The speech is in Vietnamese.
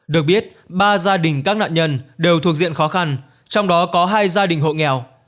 được biết ba gia đình các nạn nhân đều thuộc diện khó khăn trong đó có hai gia đình hộ nghèo